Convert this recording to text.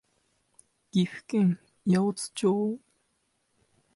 岐阜県八百津町